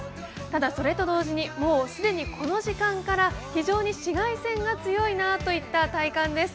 ただ、それと同時にもう既にこの時間から非常に紫外線が強いなといった体感です。